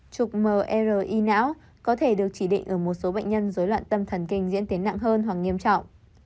chụp mri não có thể được chỉ định ở một số bệnh nhân dối loạn tâm thần kinh diễn tiến nặng hơn hoặc nghiêm trọng